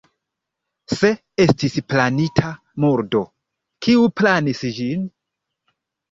Se estis planita murdo, kiu planis ĝin?